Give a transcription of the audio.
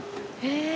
へえ！